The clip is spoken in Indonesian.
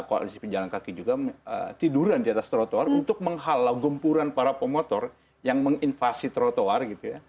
koalisi pejalan kaki juga tiduran di atas trotoar untuk menghalau gempuran para pemotor yang menginvasi trotoar gitu ya